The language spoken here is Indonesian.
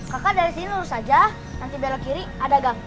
kakak dari sini lurus saja nanti belok kiri ada gang